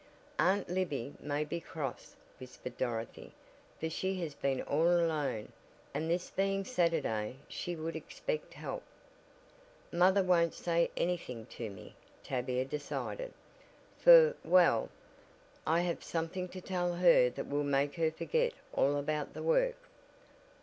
"Aunt Libby may be cross," whispered Dorothy, "for she has been all alone, and this being Saturday she would expect help." "Mother won't say anything to me," Tavia decided, "for well, I have something to tell her that will make her forget all about the work."